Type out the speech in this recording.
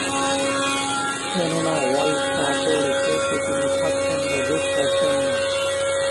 কেননা, ওল্ড ট্রাফোর্ডে খেলতে তিনি স্বাচ্ছন্দ্যবোধ করতেন না।